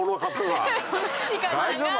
大丈夫？